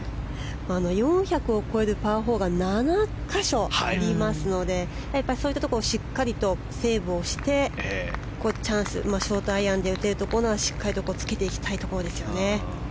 ４００を超えるパー４が７か所ありますのでそういったところをしっかりとセーブをしてチャンス、ショートアイアンで打てるところならしっかりとつけていきたいところですよね。